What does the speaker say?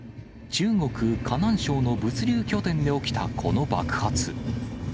中国・河南省の物流拠点で起きたこの爆発。